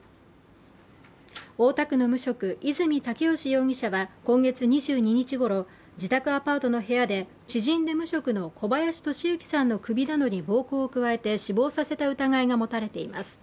大田区の無職、泉竹良容疑者は今月２２日ごろ自宅アパートの部屋で知人で無職の小林利行さんの首などに暴行を加えて死亡させた疑いが持たれています。